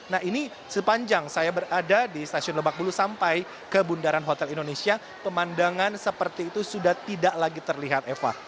nah ini sepanjang saya berada di stasiun lebak bulu sampai ke bundaran hotel indonesia pemandangan seperti itu sudah tidak lagi terlihat eva